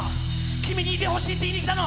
君にいてほしいって言いに来たの。